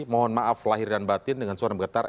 mohon maaf lahir dan batin dengan suara getar